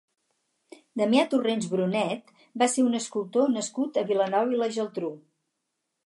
Damià Torrents Brunet va ser un escultor nascut a Vilanova i la Geltrú.